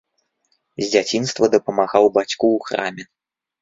З дзяцінства дапамагаў бацьку ў храме.